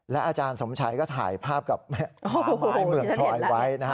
อาจารย์สมชัยก็ถ่ายภาพกับหาไม้เมืองทอยไว้นะฮะ